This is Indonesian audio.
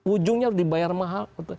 ujungnya dibayar mahal